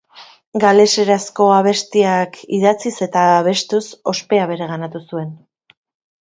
Galeserazko abestiak idatziz eta abestuz ospea bereganatu zuen.